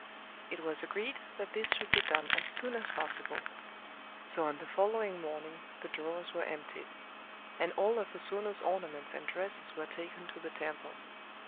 It was agreed that this should be done as soon as possible. So on the following morning the drawers were emptied; and all of O Sono's ornaments and dresses were taken to the temple.